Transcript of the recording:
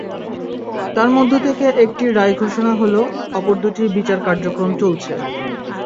তার মধ্য থেকে একটির রায় ঘোষণা হলো, অপর দুটির বিচার কার্যক্রম চলছে।